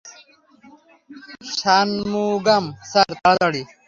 Shanmugam sir, তাড়াতাড়ি।